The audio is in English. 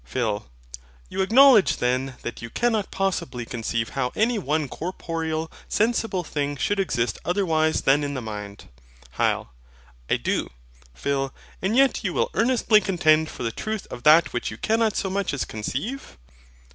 PHIL. You acknowledge then that you cannot possibly conceive how any one corporeal sensible thing should exist otherwise than in the mind? HYL. I do. PHIL. And yet you will earnestly contend for the truth of that which you cannot so much as conceive?